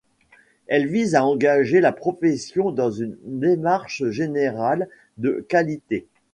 Elle vise à engager la profession dans une démarche générale de qualité.